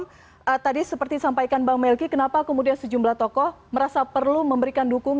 bang tadi seperti sampaikan bang melki kenapa kemudian sejumlah tokoh merasa perlu memberikan dukungan